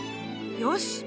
よし！